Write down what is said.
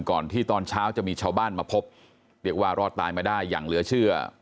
ก่อนที่ตอนเช้าจะมีชาวบ้านมาพบเรียกว่ารอดตายมาได้อย่างเหลือเชื่อ